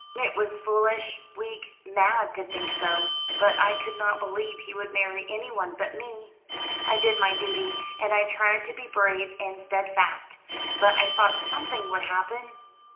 "It was foolish, weak, mad to think so. But I could not believe he would marry anyone but me. I did my duty, and I tried to be brave and steadfast. But I thought something would happen."